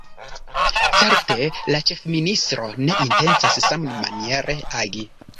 Certe la ĉefministro ne intencas sammaniere agi.